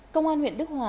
cơ quan huyện đức hòa